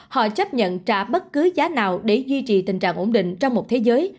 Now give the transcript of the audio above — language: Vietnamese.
họ chấp nhận trả bất cứ giá nào để duy trì tình trạng ổn định trong một thế giới